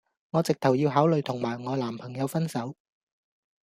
我直頭要考慮同埋我男朋友分手